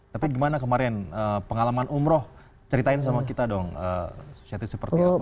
tapi gimana kemarin pengalaman umroh ceritain sama kita dong susiatif seperti apa